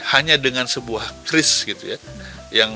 hanya dengan sebuah kris gitu ya